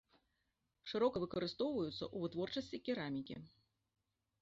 Шырока выкарыстоўваюцца ў вытворчасці керамікі.